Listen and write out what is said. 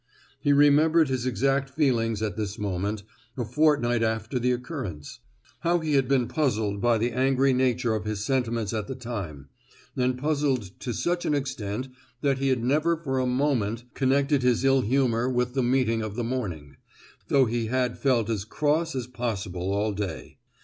He remembered his exact feelings at this moment, a fortnight after the occurrence: how he had been puzzled by the angry nature of his sentiments at the time, and puzzled to such an extent that he had never for a moment connected his ill humour with the meeting of the morning, though he had felt as cross as possible all day.